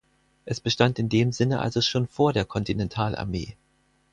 Es bestand in dem Sinne also schon vor der Kontinentalarmee.